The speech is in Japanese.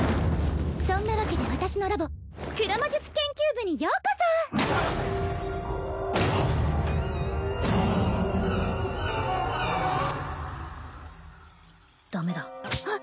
そんなわけで私のラボ黒魔術研究部にようこそダメだあっ